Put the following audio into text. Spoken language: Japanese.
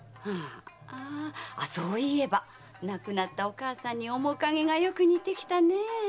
亡くなったお母さんに面影がよく似てきたねえ。